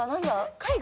海外？